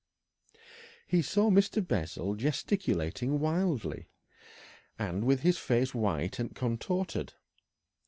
He saw Mr. Bessel gesticulating wildly, and with his face white and contorted.